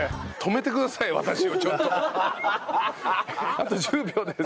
あと１０秒です。